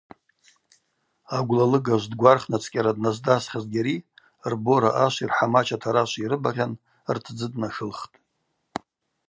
Агвла лыгажв дгварцӏхнацӏкӏьара дназдасхыз, Гьари рбора ашви рхӏамач атарашви йрыбагъьан ртдзы днашылхтӏ.